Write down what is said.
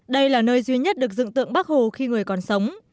đây là nơi duy nhất được dựng tượng bắc hồ khi người còn sống